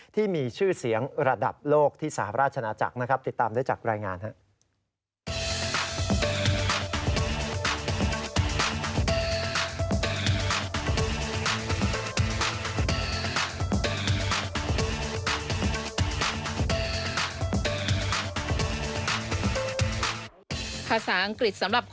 ที่มีชื่อเสียงระดับโลกที่สหราชนาจักรนะครับ